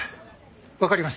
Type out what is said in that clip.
わかりました。